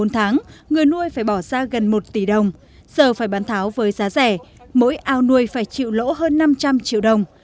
thì tôm phát bệnh rất rẻ mỗi ao nuôi phải chịu lỗ hơn năm trăm linh triệu đồng